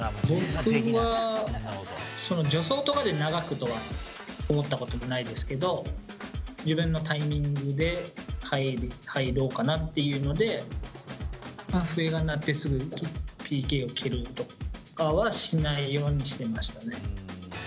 僕は、その助走とかで長くとは思ったことないですけど、自分のタイミングで入ろうかなっていうので、笛が鳴ってすぐＰＫを蹴るとかはしないようにしてましたね。